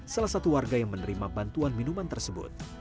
salah satu warga yang menerima bantuan minuman tersebut